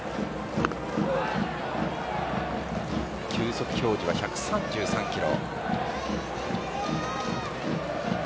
球速表示は１３３キロ。